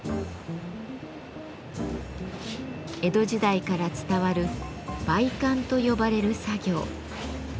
江戸時代から伝わる「焙乾」と呼ばれる作業。